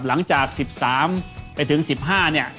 หลังจาก๑๓ไปถึง๑๕เนี่ย